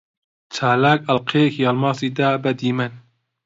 چالاک ئەڵقەیەکی ئەڵماسی دا بە دیمەن.